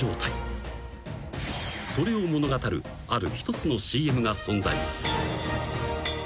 ［それを物語るある一つのＣＭが存在する］